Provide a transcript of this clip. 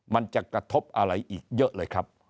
มันจะกระทบอะไรอีกเยอะเลยครับ